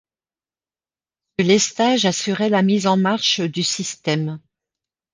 Ce lestage assurait la mise en marche du système.